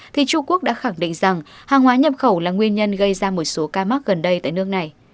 thì trung quốc đã khẳng định rằng hàng hóa nhập khẩu là nguyên nhân gây ra một số ca mắc gần đây tại nước này